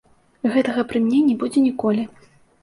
Гэтага пры мне не будзе ніколі!